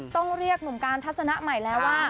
ต้องเรียกหนุ่มการทัศนะใหม่แล้วว่า